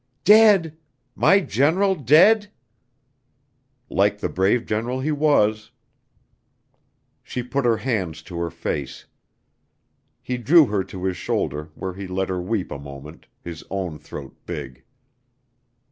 "Dead my general dead?" "Like the brave general he was." She put her hands to her face. He drew her to his shoulder where he let her weep a moment, his own throat big.